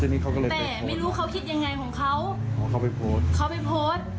แต่ไม่รู้เขาคิดยังไงของเขาเขาไปโพสท์เขาไปโพสท์